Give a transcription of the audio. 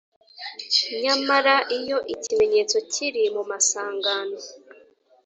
nyamara iyo ikimenyetso kiri mu masangangano